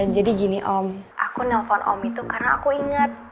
jadi gini om aku nelfon om itu karena aku ingat